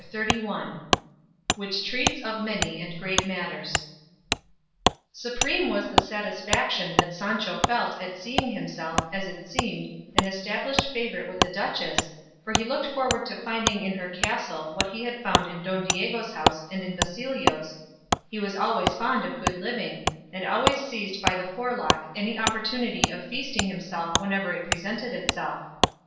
CHAPTER XXXI. WHICH TREATS OF MANY AND GREAT MATTERS Supreme was the satisfaction that Sancho felt at seeing himself, as it seemed, an established favourite with the duchess, for he looked forward to finding in her castle what he had found in Don Diego's house and in Basilio's; he was always fond of good living, and always seized by the forelock any opportunity of feasting himself whenever it presented itself.